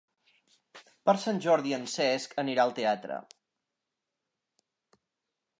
Per Sant Jordi en Cesc anirà al teatre.